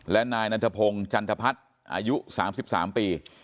และนายนันทพงศ์จันทพัฒน์อายุ๓๓ปี